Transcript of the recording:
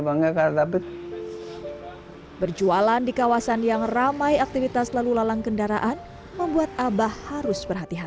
banget tapi berjualan di kawasan yang ramai aktivitas lalu lalang kendaraan membuat abah harus